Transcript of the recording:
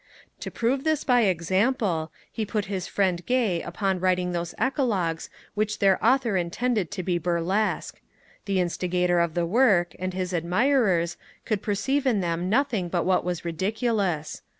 To prove this by example, he put his friend Gay upon writing those Eclogues which their author intended to be burlesque. The instigator of the work, and his admirers, could perceive in them nothing but what was ridiculous.